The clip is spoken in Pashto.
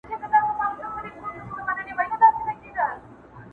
ټول د فرنګ له ربابونو سره لوبي کوي!!